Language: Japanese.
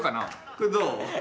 これどう？